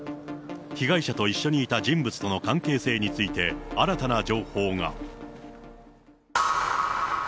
被害者と一緒にいた人物との関係性について、新たな情報が。